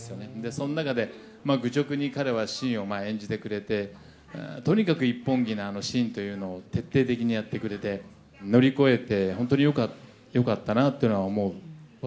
その中で愚直に彼は信を演じてくれて、とにかく一本気な信というのを徹底的にやってくれて、乗り越えて、本当によかったなっていうのは思う。